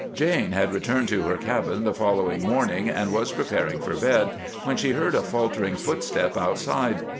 Jane had returned to her cabin the following morning, and was preparing for bed, when she heard a faltering footstep outside.